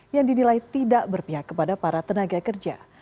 yang dinilai tidak berpihak kepada para tenaga kerja